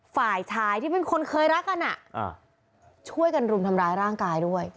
ฝ่ายชายที่เป็นคนเคยรักกันช่วยกันรุมทำร้ายร่างกายด้วย